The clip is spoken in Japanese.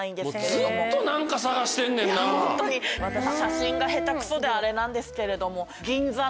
私写真が下手くそであれなんですけれども。